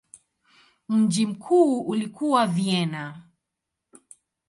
Mji mkuu ulikuwa Vienna.